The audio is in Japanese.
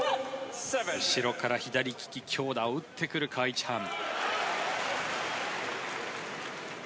後ろから左利き、強打を打ってくるカ・イチハン。